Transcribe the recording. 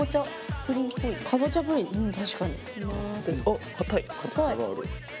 あっ硬い。